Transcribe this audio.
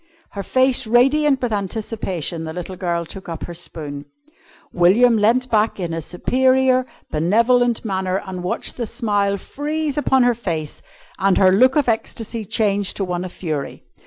Her face radiant with anticipation, the little girl took up her spoon. William leant back in a superior, benevolent manner and watched the smile freeze upon her face and her look of ecstasy change to one of fury.